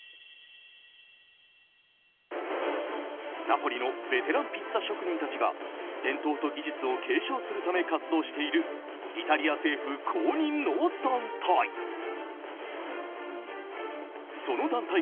ナポリのベテランピッツァ職人たちが伝統と技術を継承するため活動しているイタリア政府公認の団体。